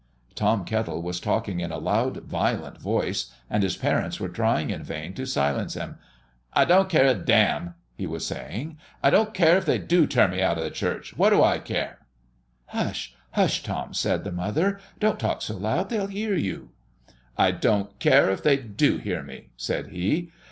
Tom Kettle was talking in a loud, violent voice, and his parents were trying in vain to silence him. "I don't care a damn," he was saying; "I don't care if they do turn me out of the Church what do I care?" "Hush, hush, Tom!" said the mother; "don't talk so loud; they'll hear you." "I don't care if they do hear me," said he.